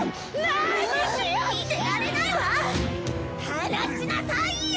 離しなさいよ！